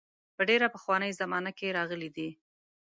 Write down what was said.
په ډېره پخوانۍ زمانه کې راغلي دي.